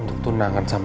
untuk tunangan sama mel